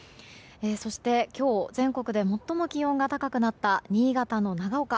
そして、今日全国で最も気温が高くなった新潟の長岡。